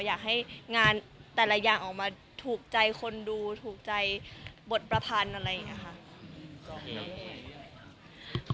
อยากให้งานแต่ละอย่างออกมาถูกใจคนดูถูกใจบทประพันธ์อะไรอย่างนี้ค่ะ